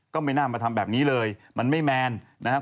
ก็ไม่น่ามาทำแบบนี้เลยมันไม่แมนนะครับ